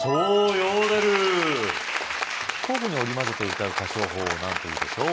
ヨーデル交互に織り交ぜて歌う歌唱法を何というでしょう